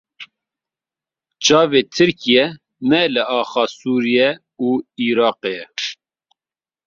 Çavê Tirkiyê ne li axa Sûriye û Iraqê ye.